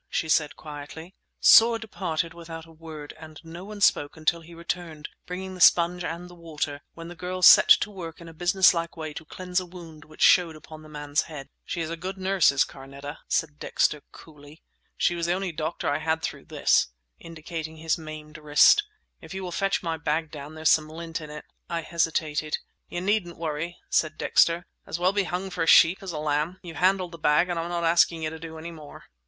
she said quietly. Soar departed without a word, and no one spoke until he returned, bringing the sponge and the water, when the girl set to work in a businesslike way to cleanse a wound which showed upon the man's head. "She's a good nurse is Carneta," said Dexter coolly. "She was the only doctor I had through this"—indicating his maimed wrist. "If you will fetch my bag down, there's some lint in it." I hesitated. "You needn't worry," said Dexter; "as well be hung for a sheep as a lamb. You've handled the bag, and I'm not asking you to do any more."